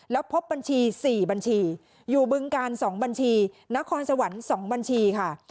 แล้วพบบัญชี๔บัญชีอยู่บึงการ๒บัญชีนครสวรรค์๒บัญชีค่ะ